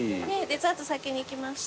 デザート先に来ました。